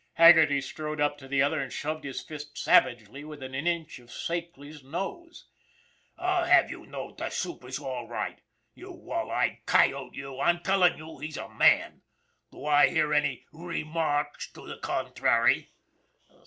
Haggerty strode up to the other, and shoved his fist savagely within an inch of Slakely's nose. " I'll have you know, the super's all right, you wall eyed coyote, you ! I'm tellin' you he's a man. Do I hear any r^ marks to the contrary